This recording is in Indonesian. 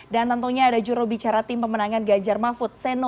dan tentunya ada juro bicara tim pemenangan ganjar mahfud seno